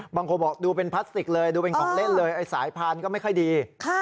บางคนบอกดูเป็นพลาสติกเลยดูเป็นของเล่นเลยไอ้สายพันธุ์ก็ไม่ค่อยดี